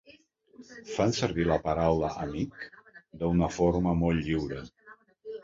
Fan servir la paraula 'amic' d'una forma molt lliure.